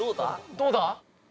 どうだ？